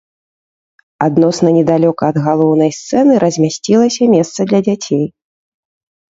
Адносна недалёка ад галоўнай сцэны размясцілася месца для дзяцей.